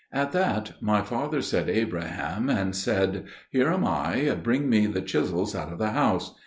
At that my father said, "Abraham", and I said, "Here am I, bring me the chisels out of the house."